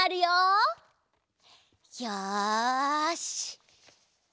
よし。